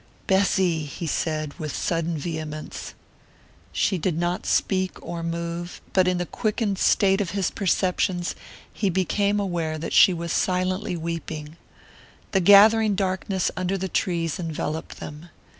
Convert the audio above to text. "Bessy!" he said, with sudden vehemence. She did not speak or move, but in the quickened state of his perceptions he became aware that she was silently weeping. The gathering darkness under the trees enveloped them.